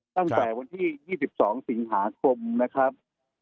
ตั้งแต่วันที่๒๒สิงหาคมนะครับ